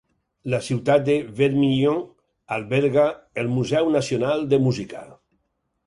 La ciutat de Vermillion alberga el Museu Nacional de Música.